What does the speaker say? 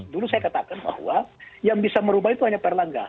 dulu saya katakan bahwa yang bisa merubah itu hanya pak erlangga